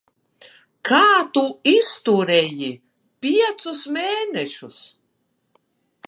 Kā tu izturēji piecus mēnešus?